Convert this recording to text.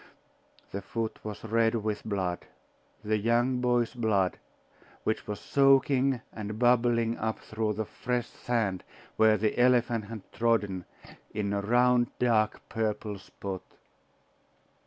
The foot was red with blood the young boy's blood which was soaking and bubbling up through the fresh sand where the elephant had trodden, in a round, dark, purple spot....